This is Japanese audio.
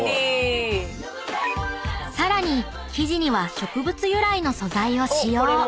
［さらに生地には植物由来の素材を使用］